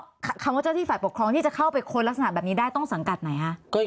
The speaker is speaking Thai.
คำว่าเจ้าที่ฝ่ายปกครองที่จะเข้าไปค้นลักษณะแบบนี้ได้ต้องสังกัดไหนคะ